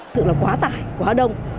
thực là quá tải quá đông